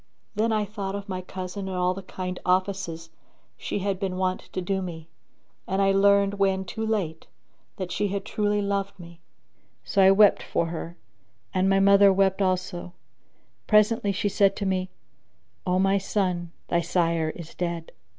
Then I thought of my cousin and all the kind offices she had been wont to do me, and I learned when too late that she had truly loved me; so I wept for her and my mother wept also Presently she said to me, "O my son, thy sire is dead."